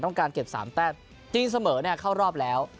ต้องการเก็บ๓แต้มจริงเสมอเข้ารอบแล้ว